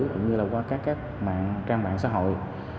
cũng như là qua các trang mạng xã hội